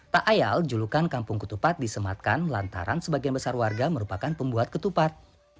tak ayal julukan kampung ketupat disematkan lantaran sebagian besar warga merupakan pembuat ketupat